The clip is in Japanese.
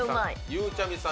ゆうちゃみさん